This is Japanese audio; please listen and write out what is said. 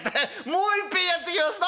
もういっぺんやってきます！